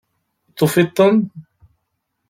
Tufiḍ-ten?